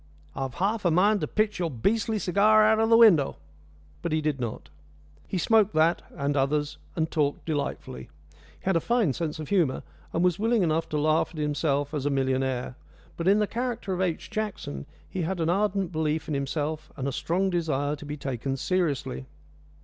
"I've half a mind to pitch your beastly cigar out of the window!" But he did not. He smoked that, and others, and talked delightfully. He had a fine sense of humour, and was willing enough to laugh at himself as a millionaire; but in the character of H. Jackson he had an ardent belief in himself and a strong desire to be taken seriously.